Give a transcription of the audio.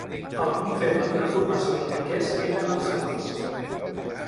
El punt feble d'una formació de piquers eren els flancs.